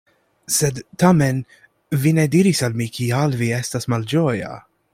Sed tamen vi ne diris al mi, kial vi estas malĝoja.